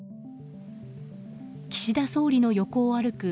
岸田総理の横を歩く